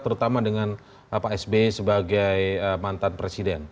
terutama dengan pak sby sebagai mantan presiden